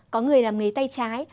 có người làm nghề tay trái